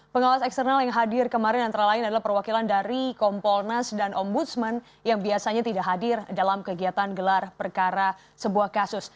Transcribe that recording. pengawas eksternal yang hadir kemarin antara lain adalah perwakilan dari kompolnas dan ombudsman yang biasanya tidak hadir dalam kegiatan gelar perkara sebuah kasus